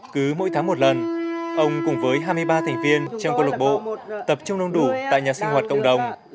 cứ mỗi tháng một lần ông cùng với hai mươi ba thành viên trong công lạc bộ tập trung nông đủ tại nhà sinh hoạt cộng đồng